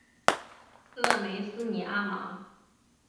勒梅斯尼阿芒。